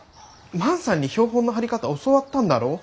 万さんに標本の貼り方教わったんだろう？